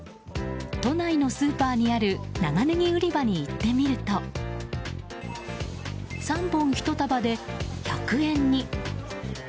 都内のスーパーにある長ネギ売り場に行ってみると３本１束で１００円に。